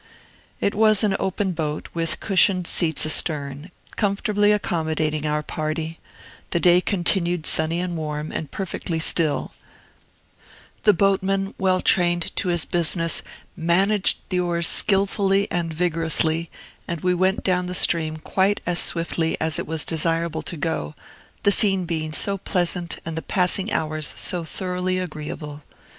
It was an open boat, with cushioned seats astern, comfortably accommodating our party; the day continued sunny and warm, and perfectly still; the boatman, well trained to his business, managed the oars skilfully and vigorously; and we went down the stream quite as swiftly as it was desirable to go, the scene being so pleasant, and the passing hours so thoroughly agreeable.